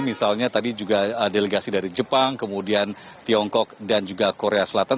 misalnya tadi juga delegasi dari jepang kemudian tiongkok dan juga korea selatan